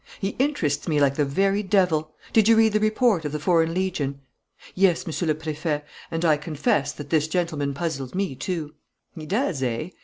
"He interests me like the very devil! Did you read the report of the Foreign Legion?" "Yes, Monsieur le Préfet, and I confess that this gentleman puzzles me, too." "He does, eh?